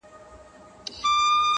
په نصیبونو به جوړېږم